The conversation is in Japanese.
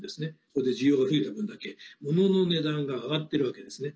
この需要が増えた分だけモノの値段が上がってるわけですね。